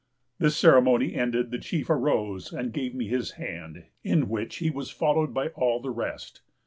This ceremony ended, the chief arose, and gave me his hand, in which he was followed by all the rest."